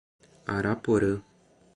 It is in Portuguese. Araporã